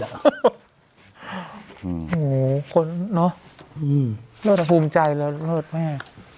โหคนเนอะอื้อโลดภูมิใจแล้วโลดแม่